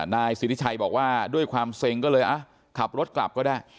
นายสิทธิชัยบอกว่าด้วยความเซ็งก็เลยขับรถกลับก็ได้